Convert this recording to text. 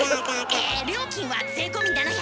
え料金は税込み７００円。